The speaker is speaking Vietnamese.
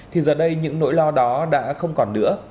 thì giờ đây những nỗi lo đó đã không còn nữa